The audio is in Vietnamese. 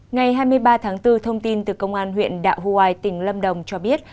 ngày hai mươi ba tháng bốn thông tin từ công an huyện đạo hawaii tỉnh lâm đồng cho biết